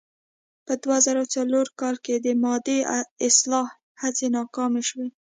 په دوه زره څلور کال کې د مادې اصلاح هڅې ناکامې شوې.